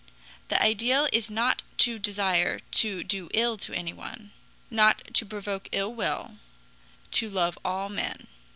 The ideal is not to desire to do ill to anyone, not to provoke ill will, to love all men.